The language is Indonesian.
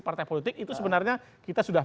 partai politik itu sebenarnya kita sudah